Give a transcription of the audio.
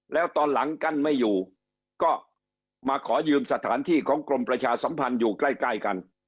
แล้วตอนหลังกั้นไม่อยู่ก็มาขอยืมสถานที่ของกรมประชาสัมพันธ์อยู่ใกล้กัน